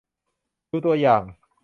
ดูตัวอย่าง